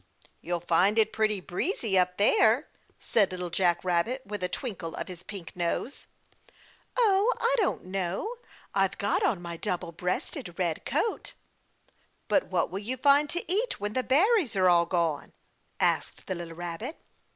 "You'll find it pretty breezy up there," said Little Jack Rabbit with a twinkle of his pink nose. "Oh, I don't know. I've got on my double breasted red coat." "But what will you find to eat when the berries are all gone?" asked the little rabbit.